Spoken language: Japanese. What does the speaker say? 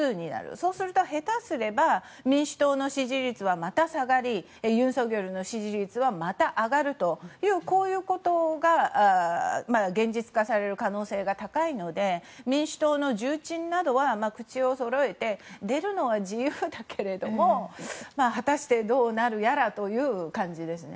そうすると下手すれば民主党の支持率はまた下がりユン・ソクヨルの支持率はまた上がるということが現実化される可能性が高いので民主党の重鎮などは口をそろえて出るのは自由だけれども果たしてどうなるやらという感じですね。